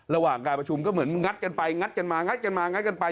ระหว่างการประชุมก็เหมือนงัดกันไปมากันไป